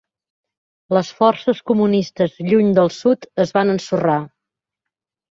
Les forces comunistes lluny del Sud es van ensorrar.